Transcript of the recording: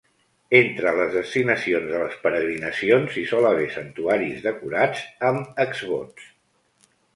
Entre les destinacions de les peregrinacions hi sol haver santuaris decorats amb exvots.